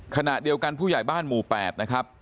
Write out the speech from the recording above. ขณะเดียวกันผู้ใหญ่บ้านหมู่๘นะครับ